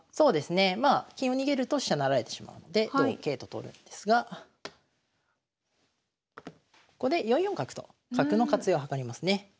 金を逃げると飛車成られてしまうので同桂と取るんですがここで４四角と角の活用はかりますね。